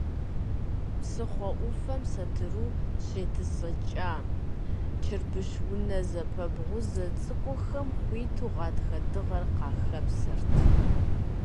Псыхъуэ ӏуфэм сэтыру щетӏысэкӏа, чэрбыш унэ зэпэбгъузэ цӏыкӏухэм, хуиту гъатхэ дыгъэр къахэпсэрт.